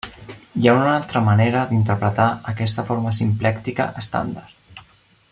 Hi ha una altra manera d'interpretar aquesta forma simplèctica estàndard.